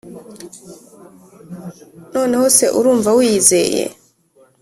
noneho se urumva wiyizeye